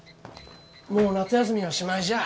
もう夏休みはしまいじゃあ。